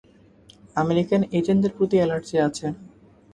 American এজেন্টদের প্রতি allergy আছে।